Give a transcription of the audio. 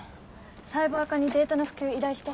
サイバー課にデータの復旧依頼して。